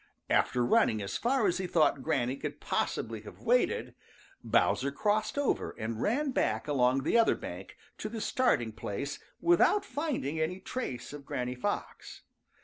After running as far as he thought Granny could possibly have waded, Bowser crossed over and ran back along the other bank to the starting place without finding any trace of Granny Fox.